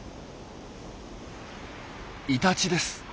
イタチです！